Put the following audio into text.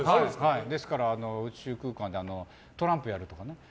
ですから、宇宙空間でトランプやるとかね。